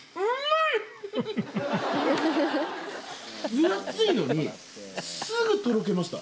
分厚いのにすぐとろけました。